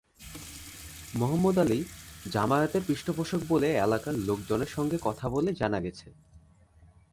মোহাম্মদ আলী জামায়াতের পৃষ্ঠপোষক বলে এলাকার লোক-জনের সঙ্গে কথা বলে জানা গেছে।